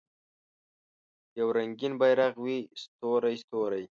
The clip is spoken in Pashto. یو رنګین بیرغ وي ستوری، ستوری